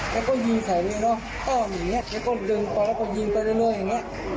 แล้วก็ยิงใส่เลยเนอะอ้อมอย่างเงี้ยแล้วก็ดึงปอแล้วก็ยิงไปเรื่อยอย่างเงี้ย